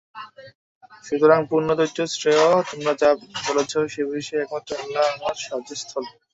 সুতরাং পূর্ণ ধৈর্যই শ্রেয়, তোমরা যা বলছ সে বিষয়ে একমাত্র আল্লাহই আমার সাহায্যস্থল।